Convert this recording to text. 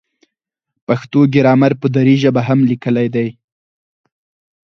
پښتو ګرامر په دري ژبه هم لیکلی دی.